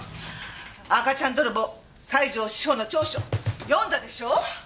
赤ちゃん泥棒西条史歩の調書読んだでしょう！？